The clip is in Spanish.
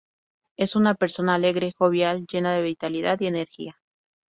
Es una persona alegre, jovial, llena de vitalidad y energía.